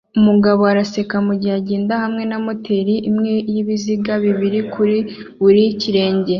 Umugabo araseka mugihe agenda hamwe na moteri imwe yibiziga bibiri kuri buri kirenge